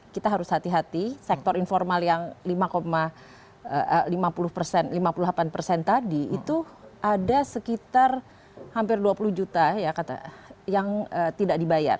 kita harus hati hati sektor informal yang lima puluh delapan persen tadi itu ada sekitar hampir dua puluh juta yang tidak dibayar